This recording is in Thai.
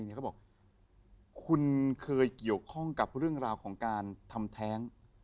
เขาบอกคุณเคยเกี่ยวข้องกับเรื่องราวของการทำแท้ง